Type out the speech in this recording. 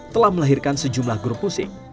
telah melahirkan sejumlah grup musik